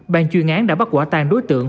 bàn chuyên án đã bắt quả tàn đối tượng